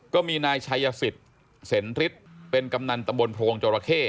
ก็มีนายชายสิตเสนฤทเป็นกำนันตะมนต์โพงจราเข้